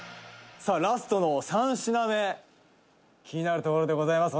「ラストの３品目」「気になるところでございます。